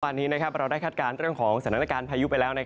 วันนี้เราได้คาดการณ์เรื่องของสถานการณ์พายุไปแล้ว